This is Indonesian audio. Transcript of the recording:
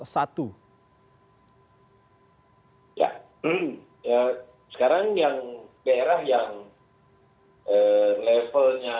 sekarang yang daerah yang levelnya